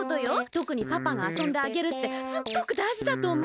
とくにパパがあそんであげるってすっごくだいじだとおもう。